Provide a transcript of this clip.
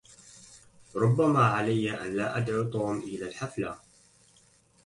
ربما علي أن لا أدعوا توم إلى الحفلة.